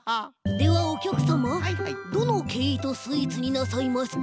ではおきゃくさまどのケイートスイーツになさいますか？